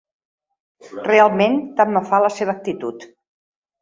Realment tant me fa la seva actitud